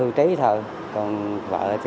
nên gia đình ông nguyễn bá linh